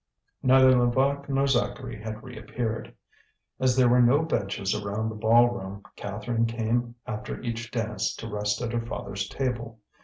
Neither Levaque nor Zacharie had reappeared. As there were no benches around the ball room, Catherine came after each dance to rest at her father's table.